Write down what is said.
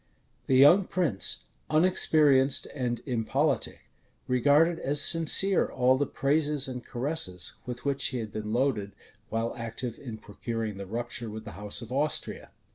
The young prince, unexperienced and impolitic, regarded as sincere all the praises and caresses with which he had been loaded while active in procuring the rupture with the house of Austria.